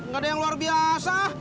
gak ada yang luar biasa